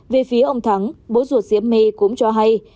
về phía ông thắng bố ruột diễm me cũng cho hay